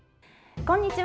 こんにちは。